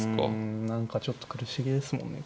うん何かちょっと苦しげですもんね